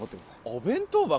お弁当箱？